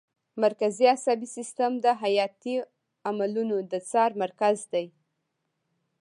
مرکزي عصبي سیستم د حیاتي عملونو د څار مرکز دی